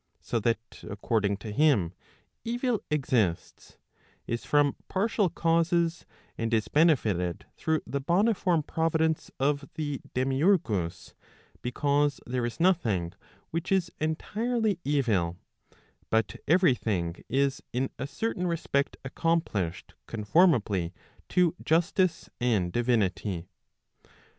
So that according to him evil exists, is from partial causes, and is benefited through the boniform providence of the demiurgus, because there is nothing which is entirely evil, but every thing is in a certain respect accomplished conformably to justice and divinity.